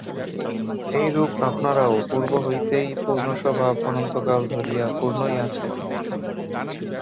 এইরূপ আপনারাও পূর্ব হইতেই পূর্ণস্বভাব, অনন্তকাল ধরিয়া পূর্ণই আছেন।